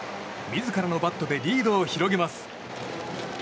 自らのバットでリードを広げます。